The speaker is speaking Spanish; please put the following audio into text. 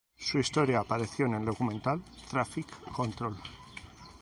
Su historia apareció en el documental, "Traffic Control".